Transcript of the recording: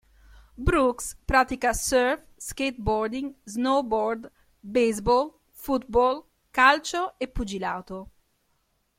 Brooks pratica surf, skateboarding, snowboard, baseball, football, calcio e pugilato.